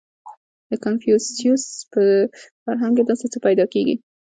• د کنفوسیوس په فرهنګ کې داسې څه پیدا کېږي.